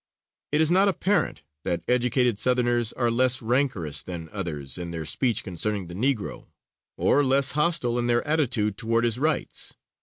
It is not apparent that educated Southerners are less rancorous than others in their speech concerning the Negro, or less hostile in their attitude toward his rights.